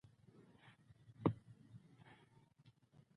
خوږې د ماشومانو د خوښې وړ دي.